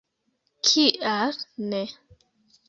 Kial ne!